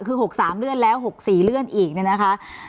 คือ๖๓เลื่อนแล้ว๖๔เลื่อนอีกเนี่ยนะคะ